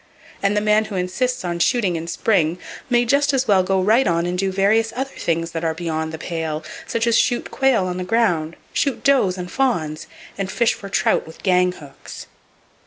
And the man who insists on shooting in spring may just as well go right on and do various other things that are beyond the pale, such as shoot quail on the ground, shoot does and fawns, and fish for trout with gang hooks.